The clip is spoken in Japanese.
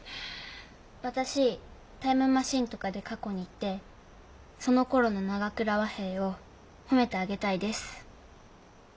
私タイムマシンとかで過去に行ってそのころの長倉和平を褒めてあげたいです。